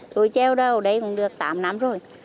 tôi treo đào ở đây cũng được tám năm rồi